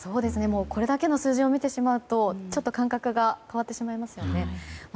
これだけの数字を見てしまうと、ちょっと感覚が変わってしまいますよね。